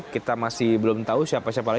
kita lihat di layar